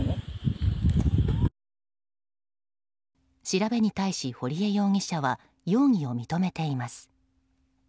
調べに対し堀江容疑者は容疑を認めています。